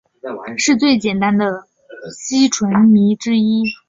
是最简单的烯醇醚之一。